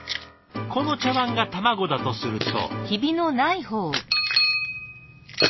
この茶わんが卵だとすると。